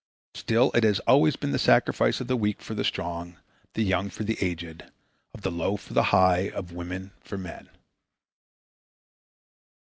Still it has always been the sacrifice of the weak for the strong, of the young for the aged, of the low for the high, of women for men.